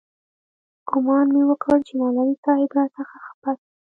ګومان مې وکړ چې مولوي صاحب راڅخه خپه سو.